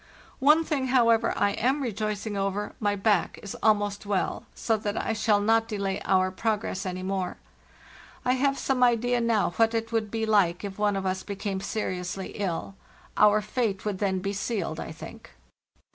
"One thing, however, I am rejoicing over; my back is almost well, so that I shall not delay our progress any more. I have some idea now what it would be like if one of us became seriously ill. Our fate would then be sealed, I think.